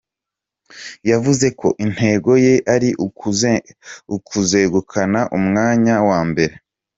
Yavuze ko intego ye ari ukuzegukana umwanya wa mbere.